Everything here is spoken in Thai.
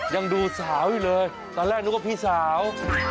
ยังดูสาวอยู่เลยตอนแรกนึกว่าพี่สาว